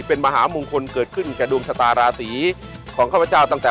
เป็นมหามงคลเกิดขึ้นกับดวงชะตาราศีของข้าพเจ้าตั้งแต่